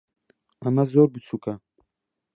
ئەمە زۆر بچووکە.